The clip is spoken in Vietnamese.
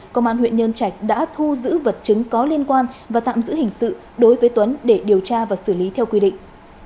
công an huyện nhân trạch đã thu giữ vật chứng có liên quan và tạm giữ hình sự đối với tuấn để điều tra và xử lý theo quy định